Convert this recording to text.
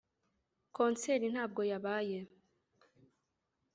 Concert ntabwo yabaye